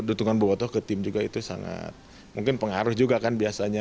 dukungan bobotoh ke tim juga itu sangat mungkin pengaruh juga kan biasanya